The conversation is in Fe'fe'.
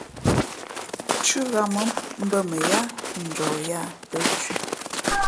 Thʉ́ ghāmα̌ mbᾱ mα yáá njαh yāā tα̌ thʉ̄.